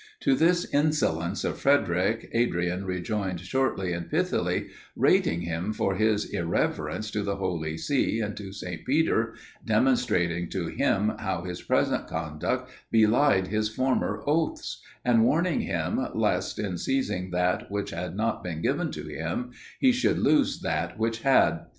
To this insolence of Frederic, Adrian rejoined shortly and pithily, rating him for his irreverence to the Holy See and to St. Peter, demonstrating to him how his present conduct belied his former oaths, and warning him lest, in seizing that which had not been given to him, he should lose that which had.